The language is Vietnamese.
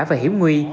và hiểm nguy